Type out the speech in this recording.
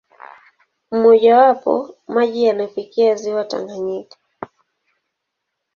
Mmojawapo, maji yanafikia ziwa Tanganyika.